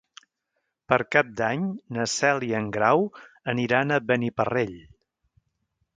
Per Cap d'Any na Cel i en Grau aniran a Beniparrell.